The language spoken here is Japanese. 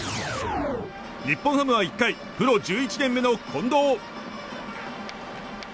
日本ハムは１回プロ１１年目の近藤。